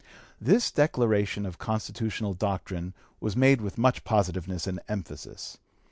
This declaration of constitutional doctrine was made with much positiveness and emphasis.